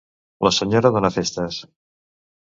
La senyora dóna festes.